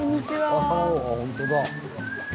あほんとだ。